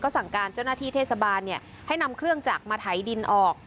สั่งการเจ้าหน้าที่เทศบาลให้นำเครื่องจักรมาไถดินออก